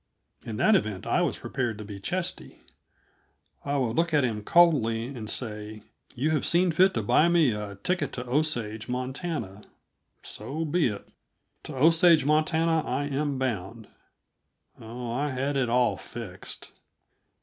In that event I was prepared to be chesty. I would look at him coldly and say: "You have seen fit to buy me a ticket to Osage, Montana. So be it; to Osage, Montana, am I bound." Oh, I had it all fixed!